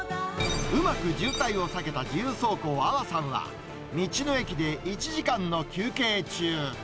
うまく渋滞を避けた自由走行、安和さんは、道の駅で１時間の休憩中。